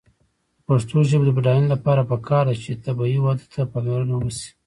د پښتو ژبې د بډاینې لپاره پکار ده چې طبیعي وده ته پاملرنه وشي.